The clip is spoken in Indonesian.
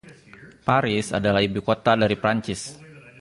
Paris adalah ibukota dari Prancis.